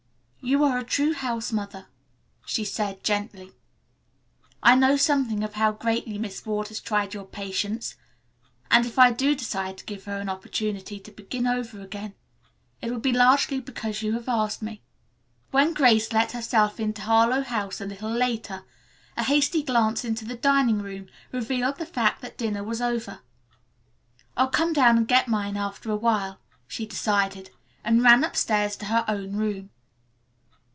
"You are a true house mother," she said gently. "I know something of how greatly Miss Ward has tried your patience, and if I do decide to give her an opportunity to begin over again it will be largely because you have asked me." When Grace let herself into Harlowe House a little later a hasty glance into the dining room revealed the fact that dinner was over. "I'll come down and get mine after awhile," she decided, and ran upstairs to her own room.